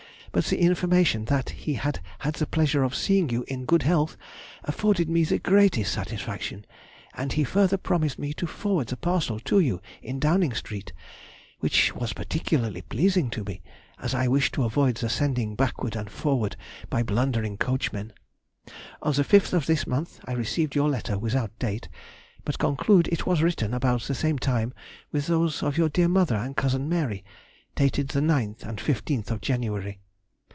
But the information that he had had the pleasure of seeing you in good health afforded me the greatest satisfaction, and he further promised me to forward the parcel to you in Downing Street, which was particularly pleasing to me, as I wished to avoid the sending backward and forward by blundering coachmen. On the 5th of this month I received your letter without date, but conclude it was written about the same time with those of your dear mother and cousin Mary, dated the 9th and fifteenth of January.